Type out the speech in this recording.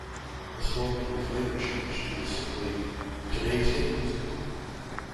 The slogan was later changed to simply "Today's Hit Music".